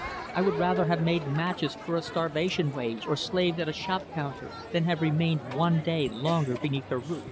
I would rather have made matches for a starvation wage, or slaved at a shop counter, than have remained one day longer beneath her roof.